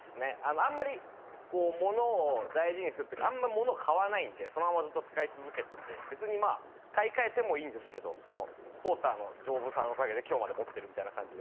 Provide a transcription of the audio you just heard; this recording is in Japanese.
あんまりこう物を大事にするってかあんまり物を買わないんでそのままずっと使い続けてて別にまあ買い換えてもいいんですけどそのポーターの丈夫さのおかげで今日まで持ってるみたいな感じで。